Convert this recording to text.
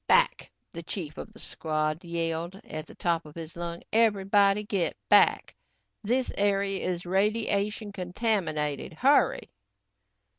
"Back," the chief of the squad yelled at the top of his lungs. "Everybody get back. This area is radiation contaminated. Hurry!"